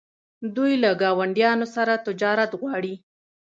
دوی له ګاونډیانو سره تجارت غواړي.